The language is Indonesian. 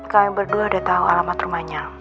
kalian berdua udah tau alamat rumahnya